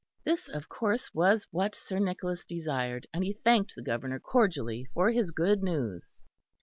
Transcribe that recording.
This, of course, was what Sir Nicholas desired, and he thanked the Governor cordially for his good news.